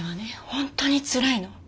本当につらいの。